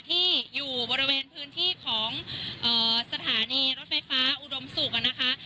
ที่อยู่บริเวณพื้นที่ของสถานีรถไฟฟ้าอุดมศุกร์นะคะ